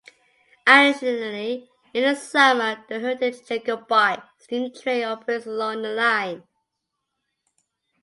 Additionally in the summer the heritage Jacobite steam train operates along the line.